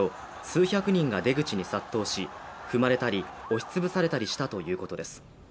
数百人が出口に殺到し踏まれたり、押し潰されたりしたということです。